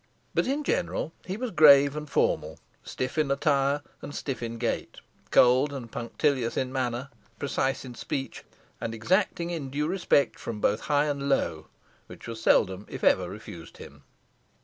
But in general he was grave and formal; stiff in attire, and stiff in gait; cold and punctilious in manner, precise in speech, and exacting in due respect from both high and low, which was seldom, if ever, refused him.